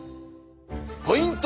ポイント